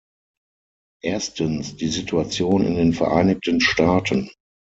Erstens die Situation in den Vereinigten Staaten.